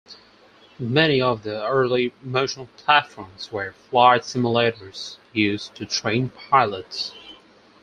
Many of the early motion platforms were flight simulators used to train pilots.